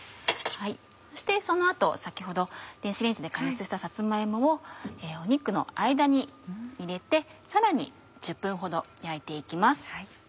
そしてその後先ほど電子レンジで加熱したさつま芋を肉の間に入れてさらに１０分ほど焼いて行きます。